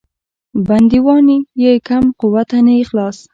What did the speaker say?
بندیوان یې کم قوته نه یې خلاص.